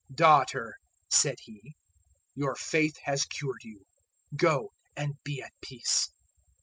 008:048 "Daughter," said He, "your faith has cured you; go, and be at peace."